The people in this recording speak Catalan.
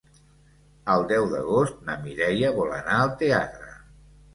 El deu d'agost na Mireia vol anar al teatre.